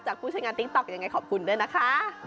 ผู้ใช้งานติ๊กต๊อกยังไงขอบคุณด้วยนะคะ